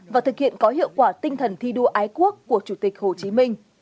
và thực hiện có hiệu quả tinh thần thi đua ái quốc của chủ tịch hồ chí minh